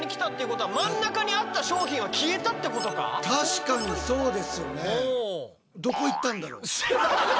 確かにそうですよね。